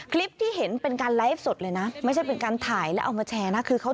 คลิปที่เห็นเป็นการไลฟ์สดเลยนะไม่ใช่เป็นการถ่ายแล้วเอามาแชร์นะคือเขา